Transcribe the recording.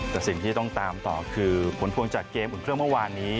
แต่สิ่งที่ต้องตามต่อคือผลพวงจากเกมอุ่นเครื่องเมื่อวานนี้